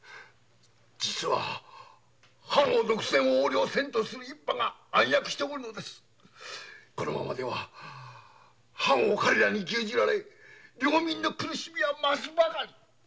実は藩を独占横領せんとする一派が暗躍しておりこのままでは藩は彼らに牛耳られ領民の苦しみは増すばかり。